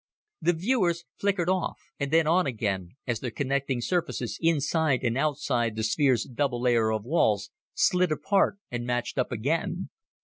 The viewers flickered off and then on again as their connecting surfaces inside and outside the sphere's double layer of walls slid apart and matched up again.